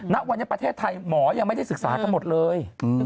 ณวันนี้ประเทศไทยหมอยังไม่ได้ศึกษากันหมดเลย